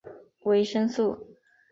维生素。